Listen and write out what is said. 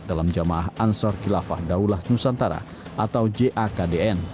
dalam jamaah ansar khilafah daulah nusantara atau jakdn